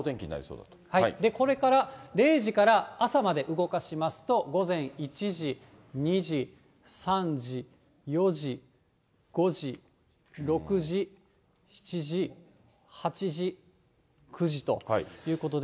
これから０時から朝まで動かしますと、午前１時、２時、３時、４時、５時、６時、７時、８時、９時ということで。